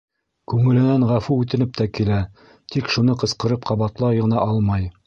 Күңеленән ғәфү үтенеп тә килә, тик шуны ҡысҡырып ҡабатлай ғына алмай.